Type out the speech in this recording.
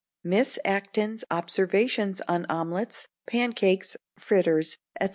Miss Acton's Observations on Omelettes, Pancakes, Fritters, &c.